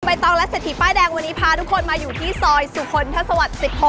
ตองและเศรษฐีป้ายแดงวันนี้พาทุกคนมาอยู่ที่ซอยสุคลทัศวรรค์๑๖